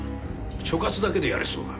所轄だけでやるそうだ。